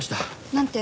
なんて？